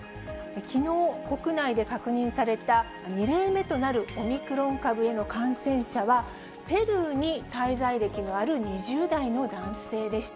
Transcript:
きのう、国内で確認された２例目となるオミクロン株への感染者は、ペルーに滞在歴のある２０代の男性でした。